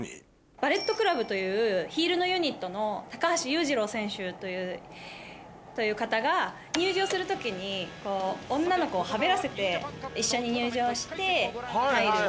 ＢＵＬＬＥＴＣＬＵＢというヒールのユニットの高橋裕二郎選手という方が入場する時に女の子をはべらせて一緒に入場して入る。